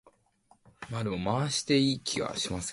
'I am not scared.